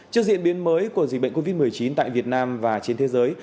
chương trình biến mới của dịch bệnh covid một mươi chín tại việt nam và trên thế giới